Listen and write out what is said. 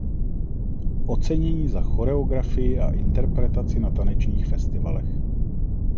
Ocenění za choreografii a interpretaci na tanečních festivalech.